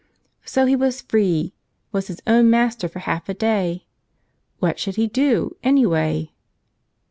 So he was free, was his own master for half a day ! What should he do, anyway?